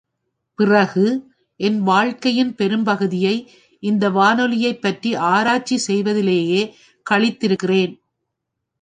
பிறகு, என் வாழ்க்கையின் பெரும்பகுதியை இந்த வானொலியைப் பற்றி ஆராய்ச்சி செய்வதிலேயே கழித்திருக்கிறேன்.